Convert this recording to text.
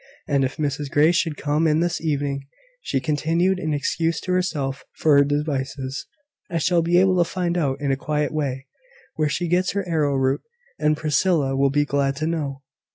And if Mrs Grey should come in this evening," she continued, in excuse to herself for her devices, "I shall be able to find out, in a quiet way, where she gets her arrowroot; and Priscilla will be glad to know."